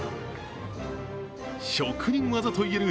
職人技といえる